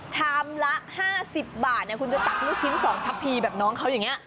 ชามละ๕๐บาทคุณจะตักลูกชิ้น๒ทัพพีแบบน้องเขาอย่างนี้